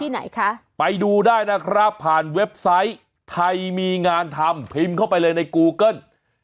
ไหนคะไปดูได้นะครับผ่านเว็บไซต์ไทยมีงานทำพิมพ์เข้าไปเลยในกูเกิ้ล